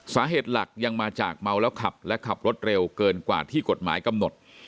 สาเหตุหลักยังมาจากเมาแล้วขับและขับรถเร็วเกินกว่าที่กฎหมายกำหนด